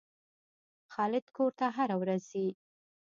خالد کور ته هره ورځ ځي.